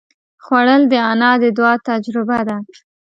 خوړل د انا د دعا تجربه ده